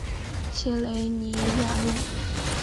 切雷尼亚诺。